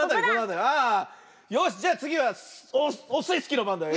よしじゃあつぎはオスイスキーのばんだよ。